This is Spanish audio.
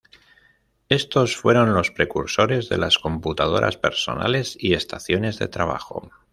Estos fueron los precursores de las computadoras personales y estaciones de trabajo.